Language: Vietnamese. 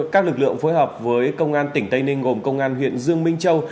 các lực lượng phối hợp với công an tỉnh tây ninh gồm công an huyện dương minh châu